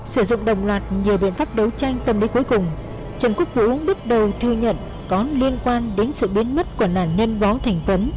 sử dụng đồng loạt nhiều biện pháp đấu tranh tâm lý cuối cùng trần quốc vũ bước đầu thừa nhận có liên quan đến sự biến mất của nạn nhân võ thành tuấn